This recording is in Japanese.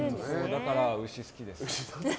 だから牛好きですね。